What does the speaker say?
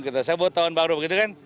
kita sebut tahun baru begitu kan